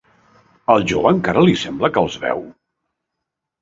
Al jove encara li sembla que els veu?